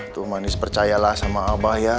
tuh manis percayalah sama abah ya